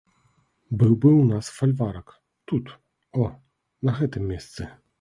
Быў бы ў нас фальварак, тут, о, на гэтым месцы.